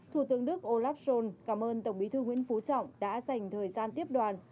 thủ tướng đức olaf schol cảm ơn tổng bí thư nguyễn phú trọng đã dành thời gian tiếp đoàn